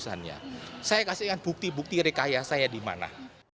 saya kasih tahu bukti bukti rekayasa saya di mana